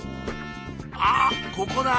あっここだ！